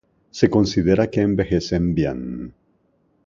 Se considera que envejecen bien.